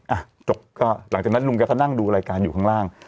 อ่ะจบก็หลังจากนั้นลุงแกก็นั่งดูรายการอยู่ข้างล่าง